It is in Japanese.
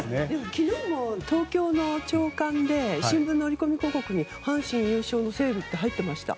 昨日も東京の朝刊で新聞の折り込み広告に阪神優勝のセールって入ってました。